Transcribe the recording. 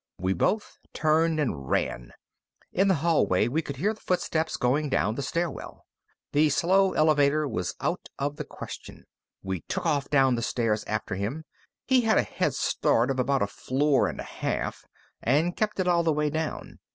We both turned and ran. In the hallway, we could hear the footsteps going down the stairwell. The slow elevator was out of the question. We took off down the stairs after him. He had a head start of about a floor and a half, and kept it all the way down.